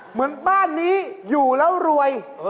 เหมือนบ้านนี้อยู่แล้วรวย